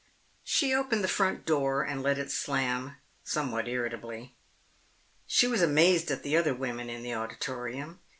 She opened the front door and let it slam, somewhat irritably. She was amazed at the other women in the auditorium.